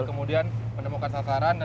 kemudian menemukan satu kapal